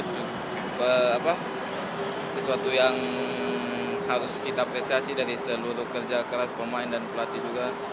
itu sesuatu yang harus kita apresiasi dari seluruh kerja keras pemain dan pelatih juga